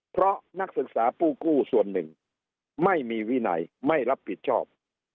เพราะนักศึกษาผู้กู้ส่วนหนึ่งไม่มีวินัยไม่รับผิดชอบ